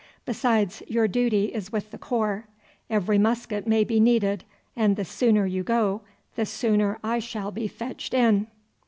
Besides, your duty is with the corps. Every musket may be needed, and the sooner you go the sooner I shall be fetched in."